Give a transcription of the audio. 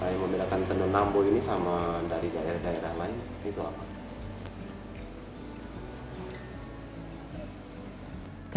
yang membedakan tenun nambu ini sama dari daerah daerah lain itu apa